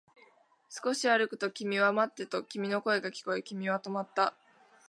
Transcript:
少し歩くと、待ってと君の声が聞こえ、君は止まった